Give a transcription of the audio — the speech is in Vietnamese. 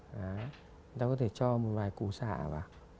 người ta có thể cho một vài củ sả vào